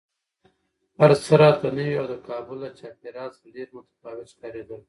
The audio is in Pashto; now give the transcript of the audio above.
هر څه راته نوي او د کابل له چاپېریال څخه ډېر متفاوت ښکارېدل